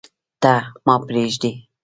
ته، ما پریږدې